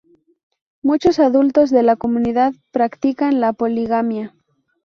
Muchos adultos de la comunidad practican la poligamia.